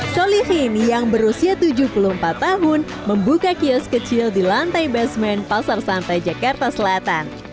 solihin yang berusia tujuh puluh empat tahun membuka kios kecil di lantai basement pasar santai jakarta selatan